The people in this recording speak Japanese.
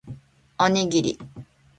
おにぎり